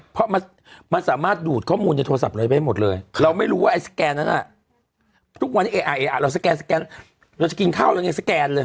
เพราะมันสามารถดูดข้อมูลในโทรศัพท์เราได้หมดเลยเราไม่รู้ว่าไอ้สแกนนั้นทุกวันนี้เราสแกนสแกนเราจะกินข้าวเรายังสแกนเลย